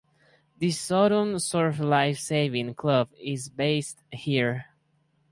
The Saunton Surf Life Saving Club is based here.